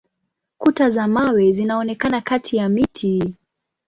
Kuta za mawe zinaonekana kati ya miti.